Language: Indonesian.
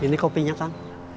ini kopinya kan